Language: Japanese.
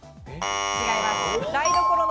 違います。